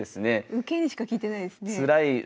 受けにしか利いてないですね。